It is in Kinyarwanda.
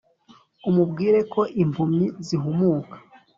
Umubwire ko impumyi zihumuka